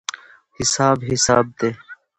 حساب حساب دی.